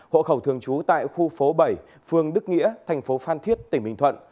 hộ khẩu thường trú tại khu phố bảy phương đức nghĩa thành phố phan thiết tỉnh bình thuận